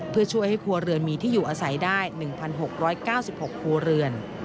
เพื่อช่วยให้ครัวเรือนมีที่อยู่อาศัยได้๑๖๙๖ครัวเรือน